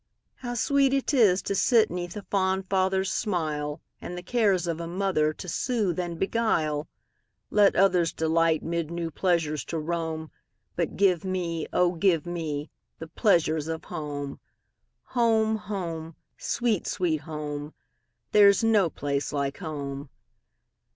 How sweet 't is to sit 'neath a fond father's smile, And the cares of a mother to soothe and beguile! Let others delight mid new pleasures to roam, But give me, oh, give me, the pleasures of home! Home! home! sweet, sweet home! There 's no place like home!